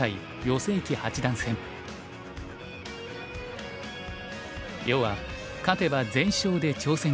余は勝てば全勝で挑戦権獲得。